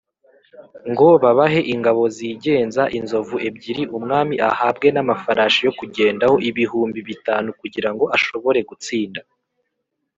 ngo babahe ingabo zigenza inzovu ebyiri Umwami ahabwe n’amafarashi yo kugendaho ibihumbi bitanu kugira ngo ashobore gutsinda